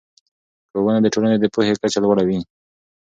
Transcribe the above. ښوونه د ټولنې د پوهې کچه لوړه وي